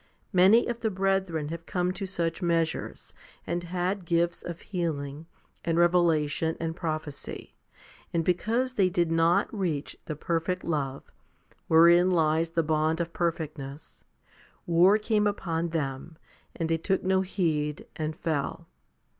Many of the brethren have come to such measures, and had gifts of healing, and revelation and prophecy, and because they did not reach the perfect love, wherein lies the bond of perfectness, 2 war came upon them, and they took no heed, and fell.